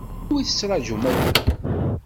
Anwa i la tettṛaǧumt akka?